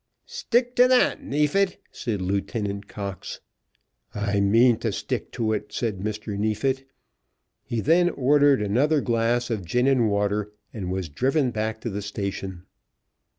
"Stick to that, Neefit," said Lieutenant Cox. "I mean to stick to it," said Mr. Neefit. He then ordered another glass of gin and water, and was driven back to the station.